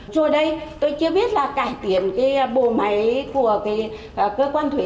rồi đây tôi chưa biết là cải tiện cái bồ máy của cái cơ quan thuế